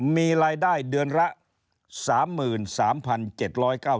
มีรายได้เดือนละ๓๓๗๙บาท